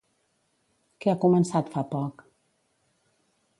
Què ha començat fa poc?